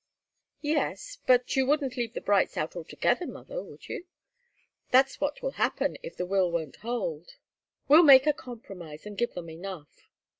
"Yes but you wouldn't leave the Brights out altogether, mother, would you? That's what will happen, if the will won't hold." "We'll make a compromise and give them enough."